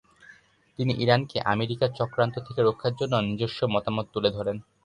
তিনি ইরানকে আমেরিকার চক্রান্ত থেকে রক্ষার জন্য নিজস্ব মতামত তুলে ধরেন।